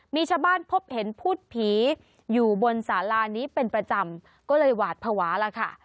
มีชาวบ้านพบเห็นพูดผีอยู่บนสารานี้เป็นประจำก็เลยหวาดภาวะแล้วค่ะ